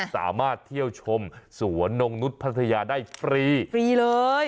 สามารถเที่ยวชมสวนนงนุษย์พัทยาได้ฟรีฟรีเลย